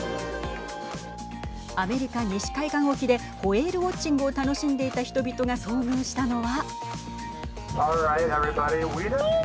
アメリカ西海岸沖でホエールウォッチングを楽しんでいた人々が遭遇したのは。